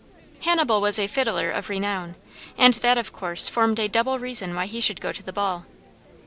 Hannibal was a fiddler of renown and that of course formed a double reason why he should go to the ball.